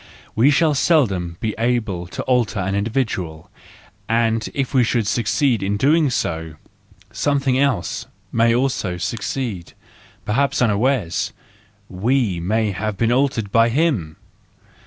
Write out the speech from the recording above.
We shall seldom be able to alter an individual, and if we should succeed in doing so, something else may also succeed, perhaps unawares : we may have been altered by him